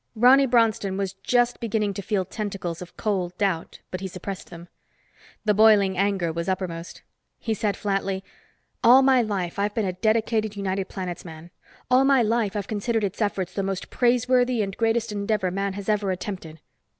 Ronny Bronston was just beginning to feel tentacles of cold doubt, but he suppressed them. The boiling anger was uppermost. He said flatly, "All my life I've been a dedicated United Planets man. All my life I've considered its efforts the most praiseworthy and greatest endeavor man has ever attempted."